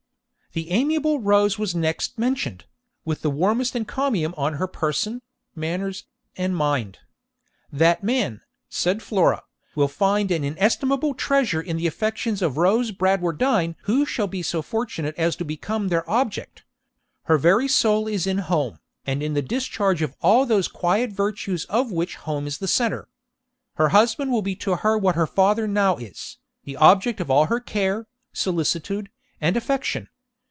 The amiable Rose was next mentioned, with the warmest encomium on her person, manners, and mind. 'That man,' said Flora, 'will find an inestimable treasure in the affections of Rose Bradwardine who shall be so fortunate as to become their object. Her very soul is in home, and in the discharge of all those quiet virtues of which home is the centre. Her husband will be to her what her father now is, the object of all her care, solicitude, and affection.